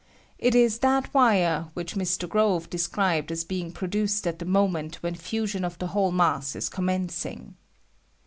It is ^^^m that wire which Mr. Grove described as being ^^V produced at the moment when fusion of the ^^^ whole mass is commencing.